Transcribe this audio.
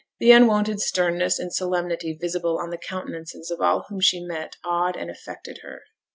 The unwonted sternness and solemnity visible on the countenances of all whom she met awed and affected her.